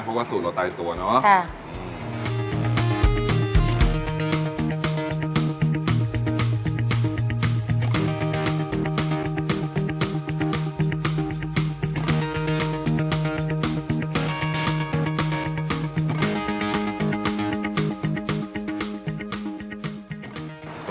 เพราะว่าสูตรเราใต้ตัวเนอะค่ะ